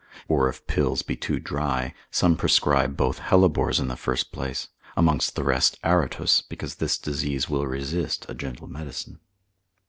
Or if pills be too dry; some prescribe both hellebores in the last place, amongst the rest Aretus, because this disease will resist a gentle medicine.